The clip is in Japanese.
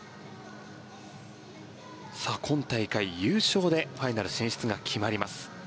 今大会、優勝でファイナル進出が決まります。